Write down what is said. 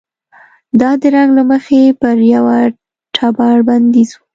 دا د رنګ له مخې پر یوه ټبر بندیز و.